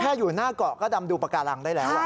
อยู่หน้าเกาะก็ดำดูปากการังได้แล้ว